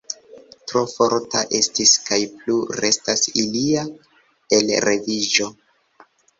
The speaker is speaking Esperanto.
Tro forta estis kaj plu restas ilia elreviĝo.